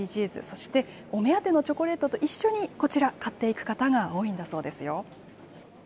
そしてお目当てのチョコレートと一緒にこちら、買っていく方が多いんだそうですよ。